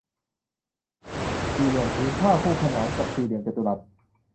สี่เหลี่ยมผืนผ้าคู่ขนานกับสี่เหลี่ยมจัตุรัส